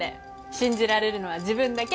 信じられるのは自分だけ！